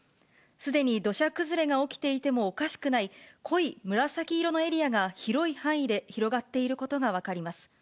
すでに土砂崩れが起きていてもおかしくない濃い紫色のエリアが、広い範囲で広がっていることが分かります。